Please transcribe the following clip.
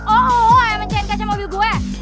oh emang mencahin kaca mobil gue